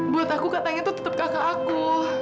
buat aku katanya itu tetap kakak aku